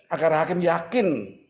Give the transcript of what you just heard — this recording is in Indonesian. agar hakim yakin